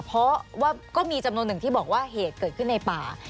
เพราะว่าก็มีจำนวนหนึ่งที่บอกว่าเหตุเกิดขึ้นในป่า